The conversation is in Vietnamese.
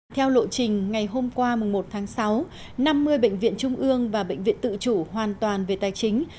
theo lộ trình ngày hôm qua một tháng sáu năm mươi bệnh viện trung ương và bệnh viện tự chủ hoàn toàn về tài chính